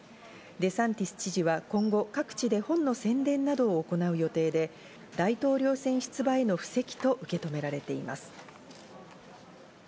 デサンティス知事は今後、各地で本の宣伝などを行う予定で、大統領選出馬への布石と受け止められています。